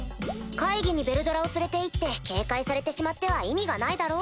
会議にヴェルドラを連れて行って警戒されてしまっては意味がないだろ？